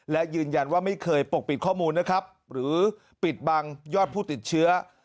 และยืนยันว่าไม่เคยปกปิดข้อมูลนะครับหรือปิดบังยอดผู้ติดเชื้อ